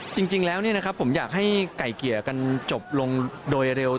จริงแล้วผมอยากให้ไก่เกลี่ยกันจบลงโดยเร็ว